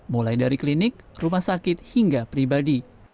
mulai dari klinik rumah sakit hingga pribadi